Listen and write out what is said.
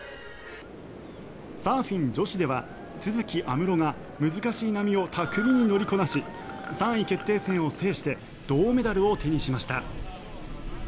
サーフィン女子では都筑有夢路が難しい波を巧みに乗りこなし３位決定戦を制して銅メダルを手にしました。